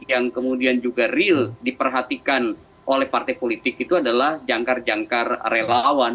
yang kemudian juga real diperhatikan oleh partai politik itu adalah jangkar jangkar relawan